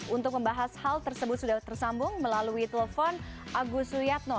untuk membahas hal tersebut sudah tersambung melalui telepon agus suyatno